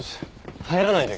入らないで。